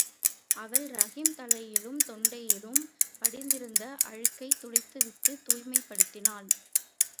அவள் ரஹீம் தலையிலும், தொண்டையிலும் படிந்திருந்த அழுக்கைத் துடைத்து விட்டுத் தூய்மைப் படுத்தினாள்.